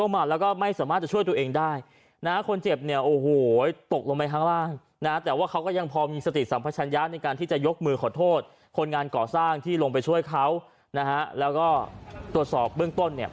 มองพอมีสติดสัมพชัญญาในการที่จะยกมือขอโทษคนงานก่อสร้างที่ลงไปช่วยเขานะฮะแล้วก็ตรวจสอบเบื้องต้นเนี่ย